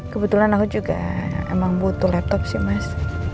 kebetulan aku juga emang butuh laptop sih mas